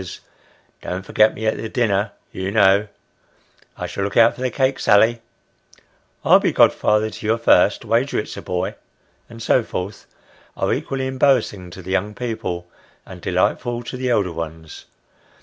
71 as " Don't forget me at the dinner, you know," " I shall look out for the cake, Sally," " I'll be godfather to your first wager it's a boy," and so forth, are equally embarrassing to the young people, and delightful to the elder ones.